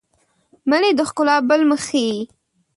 منی د ښکلا بل مخ ښيي